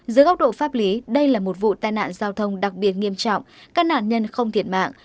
dưới góc độ pháp lý đây là một vụ tai nạn giao thông đặc biệt nghiêm trọng các nạn nhân không thiệt mạng